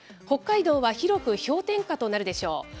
北海道は広く氷点下となるでしょう。